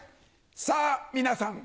さぁ皆さん